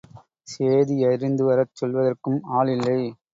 சேதியறிந்துவரச் சொல்வதற்கும் ஆள் இல்லை.